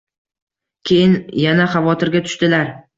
Keyin yana xavotirga tushdilar.